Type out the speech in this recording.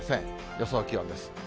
予想気温です。